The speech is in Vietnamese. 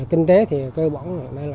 kinh tế thì cơ bản